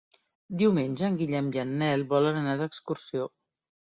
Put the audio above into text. Diumenge en Guillem i en Nel volen anar d'excursió.